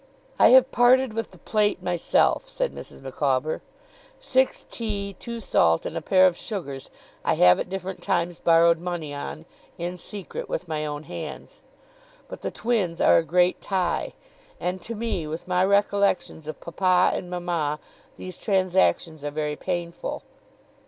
'I have parted with the plate myself,' said Mrs. Micawber. 'Six tea, two salt, and a pair of sugars, I have at different times borrowed money on, in secret, with my own hands. But the twins are a great tie; and to me, with my recollections, of papa and mama, these transactions are very painful.